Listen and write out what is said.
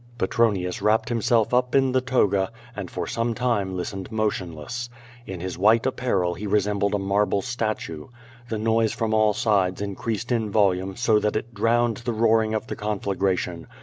Petronius wrapped himself up in the toga and for some time listened motionless. In his white apparel he resembled a marble statue. The noise from all sides increased in vol ume so that it drowned the roaring of the conflagration.